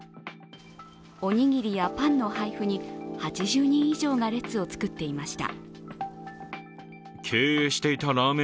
おにぎりやパンの配布に８０人以上が列を作っていました。